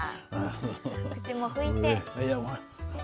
口も拭いて。